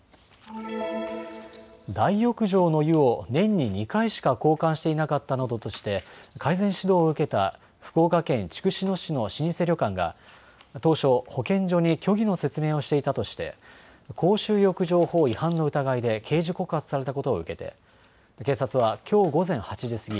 大浴場の湯を年に２回しか交換していなかったなどとして改善指導を受けた福岡県筑紫野市の老舗旅館が当初、保健所に虚偽の説明をしていたとして公衆浴場法違反の疑いで刑事告発されたことを受けて警察はきょう午前８時過ぎ